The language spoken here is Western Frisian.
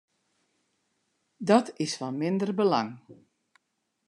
Dat is fan minder belang.